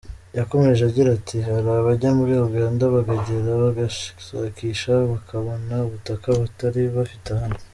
Yakomeje agira ati “Hari abajya muri Uganda, bahagera bagashakisha bakabona ubutaka batari bafite hano.